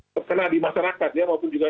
terkena di masyarakat ya maupun juga